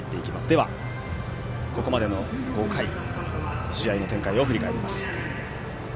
では、ここまでの５回試合の展開を振り返ります。